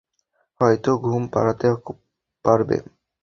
হয়তো ঘুম পাড়াতে পারবে?